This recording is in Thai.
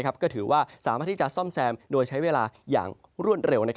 ก็ถือว่าสามารถที่จะซ่อมแซมโดยใช้เวลาอย่างรวดเร็ว